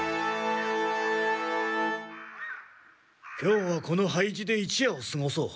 今日はこの廃寺で一夜を過ごそう。